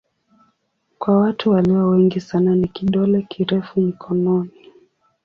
Kwa watu walio wengi sana ni kidole kirefu mkononi.